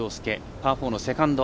パー４のセカンド。